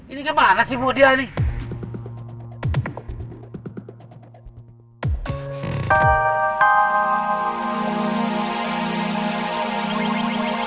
ini kemana sih budiah ini